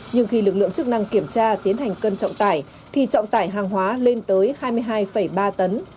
nhưng khi lực lượng chức năng kiểm tra tiến hành cân trọng tải thì trọng tải hàng hóa lên tới hai mươi hai ba tấn